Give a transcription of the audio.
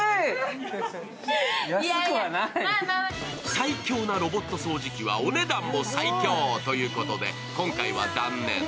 最強なロボット掃除機もお値段も最強ということで今回は断念。